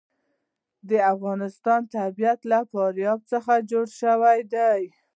د افغانستان طبیعت له فاریاب څخه جوړ شوی دی.